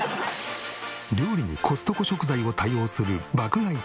料理にコストコ食材を多用する爆買い